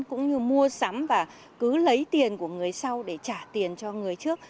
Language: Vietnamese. cũng như mua sắm và cứ lấy tiền của người sau để trả tiền cho người trước